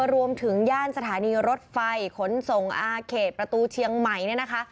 รวมถึงย่านสถานีรถไฟขนส่งอาเขตประตูเชียงใหม่